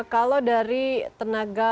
kalau dari tenaga